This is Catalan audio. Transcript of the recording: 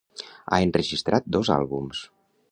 Ha enregistrat dos àlbums.